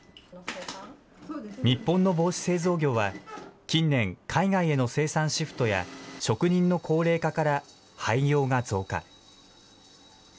日本の帽子製造業は、近年、海外への生産シフトや職人の高齢化から廃業が増加。